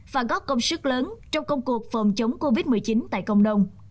và góp công sức lớn trong công cuộc phòng chống covid một mươi chín tại cộng đồng